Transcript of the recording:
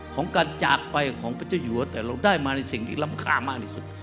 ของการจากไปของพระเจ้าอยู่แต่เราได้มาในสิ่งที่รำคามากที่สุด